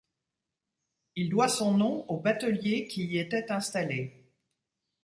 Il doit son nom aux bateliers qui y étaient installés.